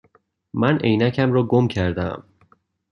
من عینکم را گم کرده ام.